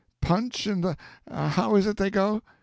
Punch in the how is it they go?"